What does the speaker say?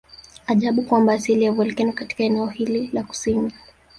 Ajabu kwamba asili ya volkeno katika eneo hili la kusini